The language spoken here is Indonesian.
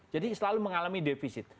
jadi selalu mengalami defisit